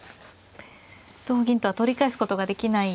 同銀とは取り返すことができない。